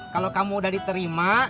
kalau kamu udah diterima